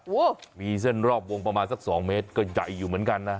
โอ้โหมีเส้นรอบวงประมาณสัก๒เมตรก็ใหญ่อยู่เหมือนกันนะ